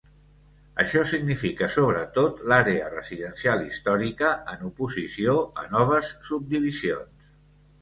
Això significa sobretot l'àrea residencial històrica en oposició a noves subdivisions.